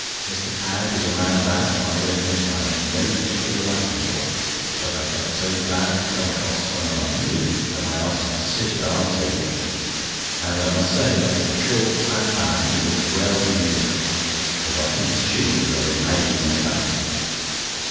Mr. Padge is a man that, I admit, I have no particular liking for, but I felt so glad to come across someone I knew, that I asked him to sit at our table, and I must say that for a short fat man he looked well in uniform, although I think his tunic was rather baggy in the back.